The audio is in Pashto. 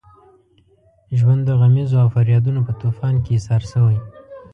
ژوند د غمیزو او فریادونو په طوفان کې ایسار شوی.